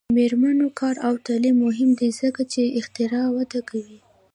د میرمنو کار او تعلیم مهم دی ځکه چې اختراع وده کوي.